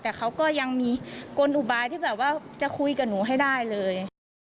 แต่เขาก็ยังมีกลอุบายที่แบบว่าจะคุยกับหนูให้ได้เลย